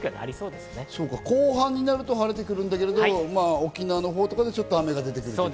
後半になると晴れてくるんだけれども、沖縄のほうとかで雨が出てくると。